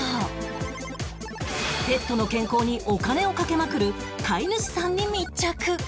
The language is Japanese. ペットの健康にお金をかけまくる飼い主さんに密着！